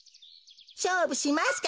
しょうぶしますか？